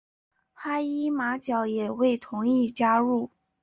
哈伊马角也未同意加入。